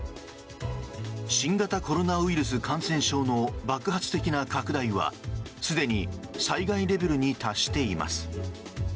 新型コロナウイルス感染症の爆発的な拡大はすでに災害レベルに達しています。